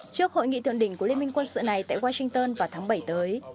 trước hội nghị thượng đỉnh của liên minh quân sự này tại washington vào tháng bảy tới